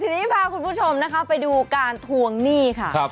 ทีนี้พาคุณผู้ชมนะคะไปดูการทวงหนี้ค่ะ